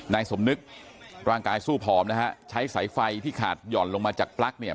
นายสมนึกร่างกายสู้ผอมนะฮะใช้สายไฟที่ขาดหย่อนลงมาจากปลั๊กเนี่ย